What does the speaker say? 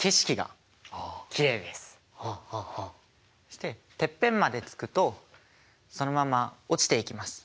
そしててっぺんまで着くとそのまま落ちていきます。